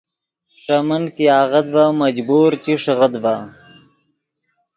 ݰے من کہ آغت ڤے مجبور چی ݰیغیت ڤے